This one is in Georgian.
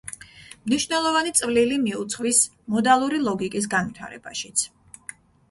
მნიშვნელოვანი წვლილი მიუძღვის მოდალური ლოგიკის განვითარებაშიც.